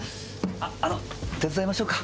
あの手伝いましょうか？